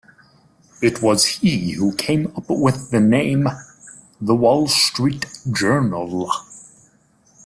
It was he who came up with the name "The Wall Street Journal".